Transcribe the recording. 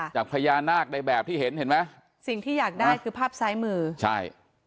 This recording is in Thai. จากพญานาคได้แบบที่เห็นเห็นไหมสิ่งที่อยากได้คือภาพซ้ายมือใช่